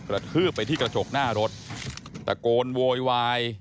ทืบไปที่กระจกหน้ารถตะโกนโวยวาย